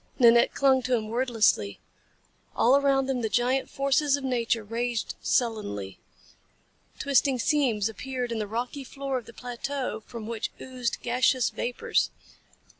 Nanette clung to him wordlessly. All around them the giant forces of nature raged sullenly. Twisting seams appeared in the rocky floor of the plateau from which oozed gaseous vapors.